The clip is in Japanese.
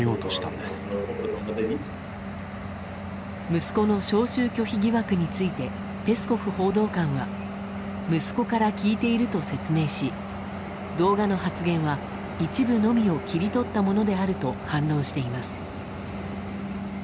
息子の招集拒否疑惑についてペスコフ報道官は息子から聞いていると説明し動画の発言は一部のみを切り取ったものであると反論しています。